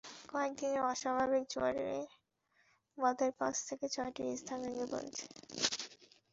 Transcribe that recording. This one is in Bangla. কয়েক দিনের অস্বাভাবিক জোয়ারে বাঁধের পাঁচ থেকে ছয়টি স্থান ভেঙে গেছে।